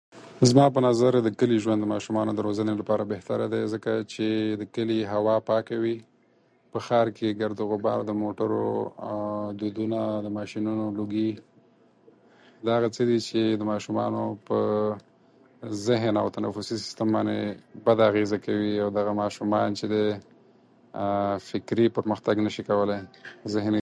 زما په نظر د کلي ژوند د ماشومانو د روزنې لپاره بهتره دی، ځکه چې د کلي هوا پاکه وي. په ښار کې ګرد او غبار، د موټرو دودونه، د ماشینونو لوګي، دغه هغه څه دي چې د ماشومانو په ذهن او تنفسي سیستم باندې بده اغېزه کوي. او دغه ماشومان چې دي، فکري پرمختګ نه شي کولای، ذهن یې